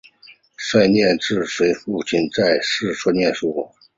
蹇念益自幼随父亲在四川念书。